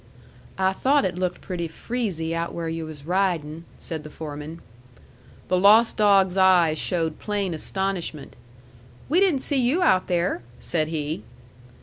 "I thought it looked pretty freezy out where yu' was riding," said the foreman. The lost dog's eyes showed plain astonishment. "We didn't see you out there," said he.